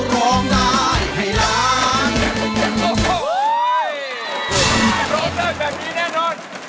ร้องได้แบบนี้แน่นอน